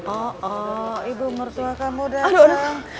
oo ibu mertua kamu udah datang